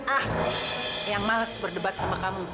ah yang males berdebat sama kamu